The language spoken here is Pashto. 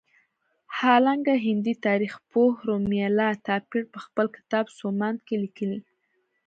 حالانکه هندي تاریخ پوه رومیلا تاپړ په خپل کتاب سومنات کې لیکلي.